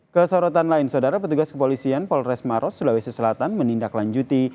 kesorotan lain saudara petugas kepolisian polres maros sulawesi selatan menindaklanjuti